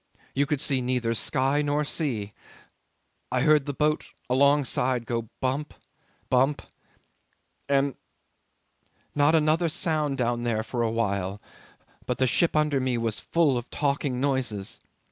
You could see neither sky nor sea. I heard the boat alongside go bump, bump, and not another sound down there for a while, but the ship under me was full of talking noises.